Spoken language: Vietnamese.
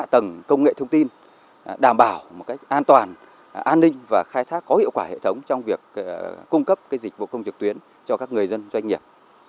bảo đảm an toàn an ninh và khai thác có hiệu quả hệ thống trong việc cung cấp dịch vụ công trực tuyến cho người dân và doanh nghiệp